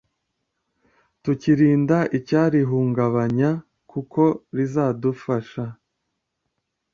tukirinda icyarihungabanya kuko rizadufasha